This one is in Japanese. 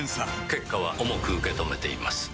結果は重く受け止めています。